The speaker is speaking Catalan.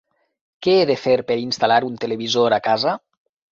Què he de fer per instal·lar un televisor a casa?